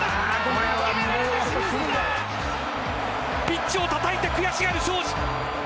ピッチをたたいて悔しがる昌子。